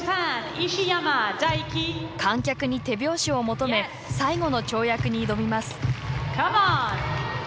観客に手拍子を求め最後の跳躍に挑みます。